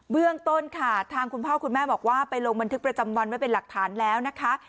เรื่องต้นค่ะทางคุณพ่อคุณแม่บอกว่าไปลงบันทึกประจำวันไว้เป็นหลักฐานแล้วนะคะ